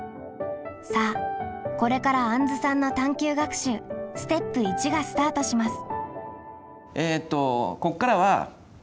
さあこれからあんずさんの探究学習ステップ①がスタートします。